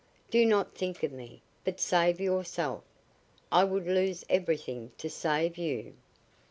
Do not think of me, but save yourself. I would lose everything to save you."